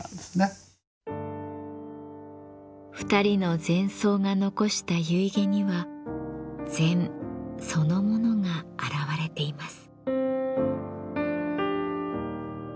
２人の禅僧が残した遺偈には禅そのものが表れています。